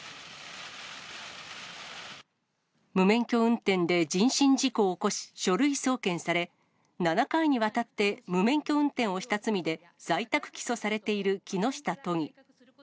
無免許運転で人身事故を起こし、書類送検され、７回にわたって無免許運転をした罪で在宅起訴されている木下都議。